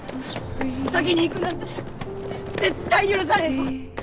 先に逝くなんて絶対許さねえぞ！